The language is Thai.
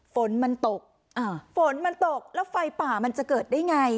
ฝนมันตกอ่าฝนมันตกแล้วไฟป่ามันจะเกิดได้ไง